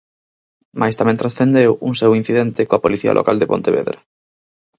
Mais tamén transcendeu un seu incidente coa Policía Local de Pontevedra.